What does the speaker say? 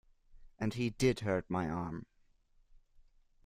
And he did hurt my arm.